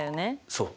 そう。